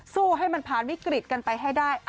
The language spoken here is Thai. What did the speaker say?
สู้ให้มันผ่านวิกฤตกันไปให้ได้